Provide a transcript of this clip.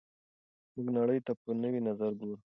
موږ نړۍ ته په نوي نظر ګورو.